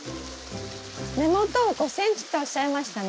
根元を５ｃｍっておっしゃいましたね。